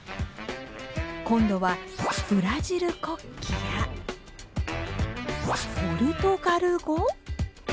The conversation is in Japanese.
今度はブラジル国旗やポルトガル語？